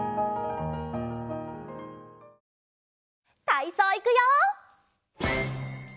たいそういくよ！